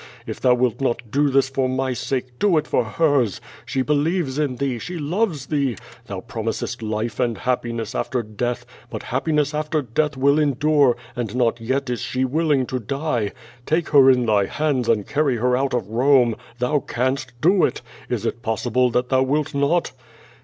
If Thou wilt not do this for my sake, do it for hers! She believes in Thee; she loves Thee! Thou promisest life and hajipiness after death, but happiness after death will endure, and not yet is she Avilling to die! Take her in Thy hands and carry her out of Rome! Thou canst do it! Is it possible that Thou wilt not?"